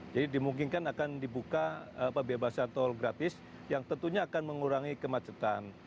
jadi dimungkinkan akan dibuka pembebasan tol gratis yang tentunya akan mengurangi kemacetan